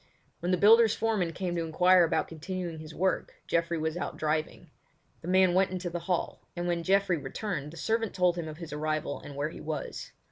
When the builder's foreman came to inquire about continuing his work Geoffrey was out driving; the man went into the hall, and when Geoffrey returned the servant told him of his arrival and where he was.